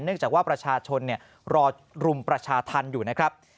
เนื่องจากว่าประชาชนเนี่ยรอรุมประชาทันอยู่นะครับ